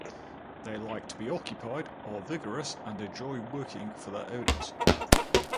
They like to be occupied, are vigorous and enjoy working for their owners.